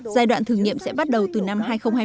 giai đoạn thử nghiệm sẽ bắt đầu từ năm hai nghìn hai mươi